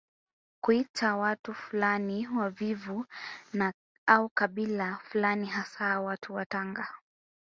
Kuita watu fulani wavivu au kabila fulani hasa watu wa Tanga